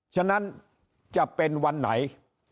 ฉะนั้นจะเป็นวันไหน